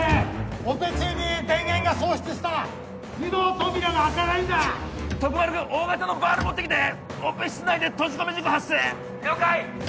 オペ中に電源が喪失した自動扉が開かないんだ徳丸君大型のバール持ってきてオペ室内で閉じ込め事故発生了解！